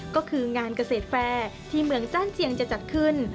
ก็คืองานเกษตรแฟร์ที่เมืองจ้านเจียงจะจัดขึ้น